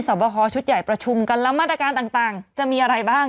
บคอชุดใหญ่ประชุมกันแล้วมาตรการต่างจะมีอะไรบ้าง